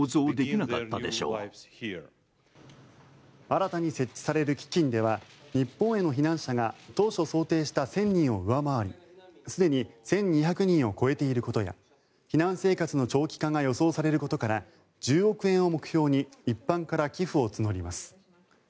新たに設置される基金では日本への避難者が当初想定した１０００人を上回りすでに１２００人を超えていることや避難生活の長期化が予想されることから１０億円を目標に一般から寄付を募ります。